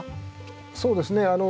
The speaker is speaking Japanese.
そうですね。